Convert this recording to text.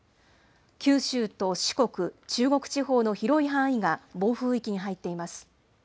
九州と四国、中国地方の広い範囲が暴風域に入っています。